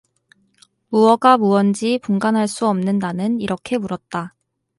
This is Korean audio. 무어가 무언지 분간할 수 없는 나는 이렇게 물었다.